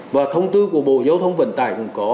và thông tư của bộ giao thông vận tải cũng có